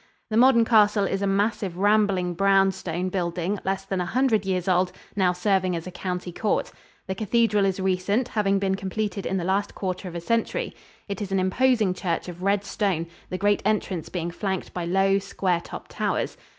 The modern castle is a massive, rambling, brown stone building less than a hundred years old, now serving as a county court. The cathedral is recent, having been completed in the last quarter of a century. It is an imposing church of red stone, the great entrance being flanked by low, square topped towers.